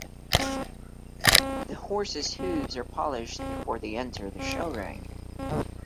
The horses' hooves are polished before they enter the show ring.